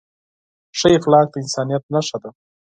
ښه اخلاق د انسانیت نښه ده.